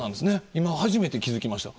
今、初めて気付きました。